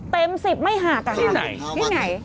เต็ม๑๐ไม่หากอาทิตย์นี่ไหน